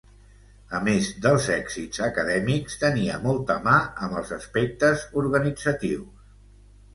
A més dels èxits acadèmics, tenia molta mà amb els aspectes organitzatius.